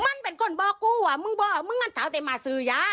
มั้นเป็นคนบอกกู้ว่ะมึงบอกม่างานทันเตยมาสือยา